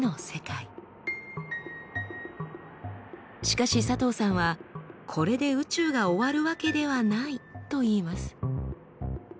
しかし佐藤さんはこれで宇宙が終わるわけではないといいます。